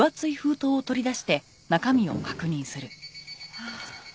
ああ。